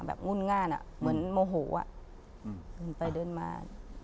แบบงุ่นงานเหมือนโมโหว่ะเดินไปเดินมา